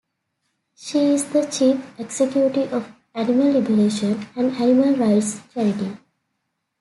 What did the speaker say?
She is the chief executive of Animal Liberation, an animal rights charity.